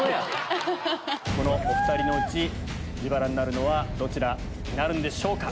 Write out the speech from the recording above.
このお２人のうち自腹になるのはどちらなんでしょうか。